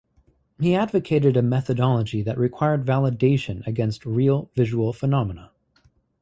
He advocated a methodology that required validation against real visual phenomena.